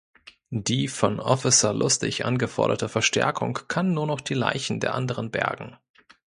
Die von Officer Lustig angeforderte Verstärkung kann nur noch die Leichen der anderen bergen.